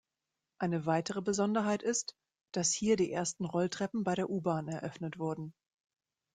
Eine weitere Besonderheit ist, dass hier die ersten Rolltreppen bei der U-Bahn eröffnet wurden.